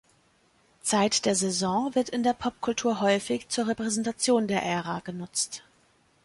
„Zeit der Saison“ wird in der Popkultur häufig zur Repräsentation der Ära genutzt.